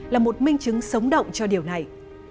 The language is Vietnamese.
là một minh chứng sống động cho điều này